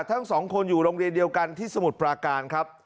ทั้งสองคนอยู่โรงเรียนเดียวกันที่สมุทรปราการครับ